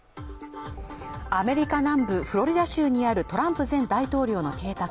アメリカ南部フロリダ州にあるトランプ大統領の邸宅